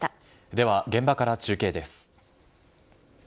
では現場から中継です。